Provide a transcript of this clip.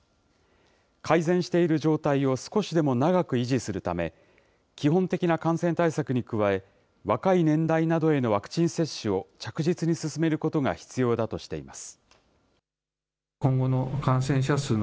改善している状態を少しでも長く維持するため、基本的な感染対策に加え、若い年代などへのワクチン接種を着実に進めることが必要だとしています。